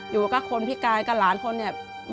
อยู่กับคนพิการกับหลานคนเนี่ย